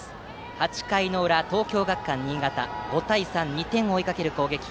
８回の裏、東京学館新潟５対３、２点を追いかける攻撃。